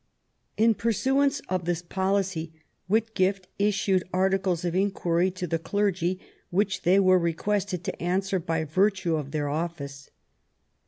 In pursuance of this policy Whitgift issued articles of inquiry to the clergy, which they were requested to answer by virtue of their office.